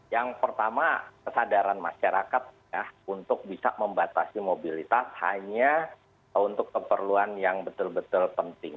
yang pertama kesadaran masyarakat untuk bisa membatasi mobilitas hanya untuk keperluan yang betul betul penting